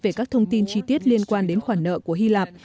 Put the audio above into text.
về các thông tin chi tiết liên quan đến khoản nợ của hy lạp